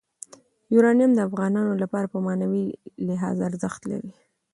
یورانیم د افغانانو لپاره په معنوي لحاظ ارزښت لري.